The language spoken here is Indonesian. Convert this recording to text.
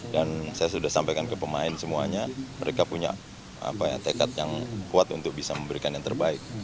dan saya sudah sampaikan ke pemain semuanya mereka punya tekad yang kuat untuk bisa memberikan yang terbaik